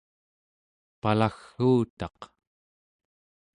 palagg'uutaq